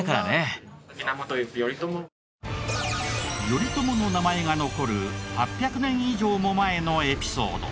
頼朝の名前が残る８００年以上も前のエピソード。